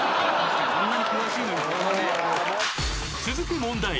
［続く問題］